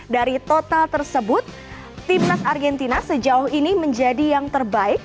dari total tersebut timnas argentina sejauh ini menjadi yang terbaik